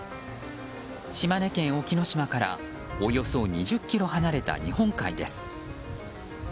島根県隠岐の島からおよそ２０ｋｍ離れた日本海です。